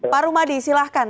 pak rumadi silahkan